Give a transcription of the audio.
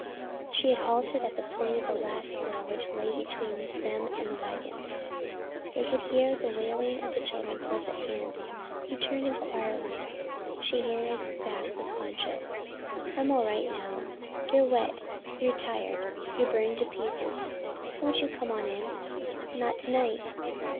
She had halted at the point of the last hill which lay between them and the wagons. They could hear the wailing of the children close at hand. He turned inquiringly. She handed back the poncho. "I am all right now. You're wet, you're tired, you're burned to pieces. Won't you come on in?" "Not to night!"